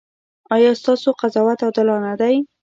ایا ستاسو قضاوت عادلانه دی؟